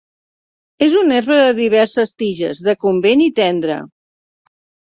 És una herba de diverses tiges, decumbent i tendra.